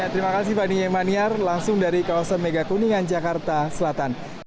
terima kasih fani maniar langsung dari kawasan megakuningan jakarta selatan